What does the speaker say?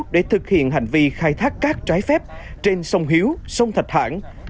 để thực hiện hành vi khai thác cát trái phép trên sông hiếu sông thạch hãn